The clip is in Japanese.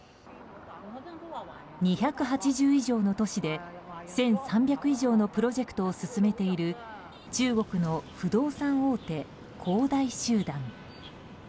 ２８０以上の都市で１３００以上のプロジェクトを進めている中国の不動産大手、恒大集団。